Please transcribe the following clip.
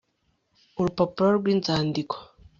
Urupapuro rwinzandiko